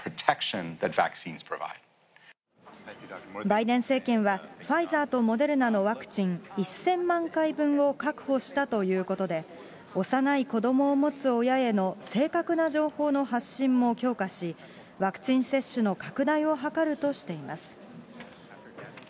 バイデン政権は、ファイザーとモデルナのワクチン１０００万回分を確保したということで、幼い子どもを持つ親への正確な情報の発信も強化し、ワクチン接種の拡大を図るとしています。